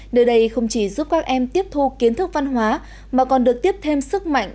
nơi đây không chỉ giúp các em tiếp thu kiến thức văn hóa mà còn được tiếp thêm sức mạnh